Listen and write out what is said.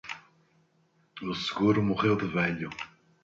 O seguro morreu de velho